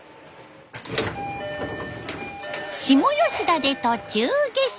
下吉田で途中下車。